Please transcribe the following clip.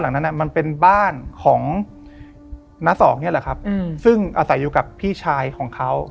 นะสองเนี่ยแหละครับซึ่งอาศัยอยู่กับพี่ชายของเขา